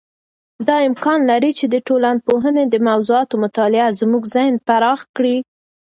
دا امکان لري چې د ټولنپوهنې د موضوعاتو مطالعه زموږ ذهن پراخ کړي.